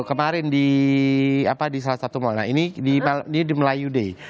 kemarin di salah satu mal nah ini di melayu day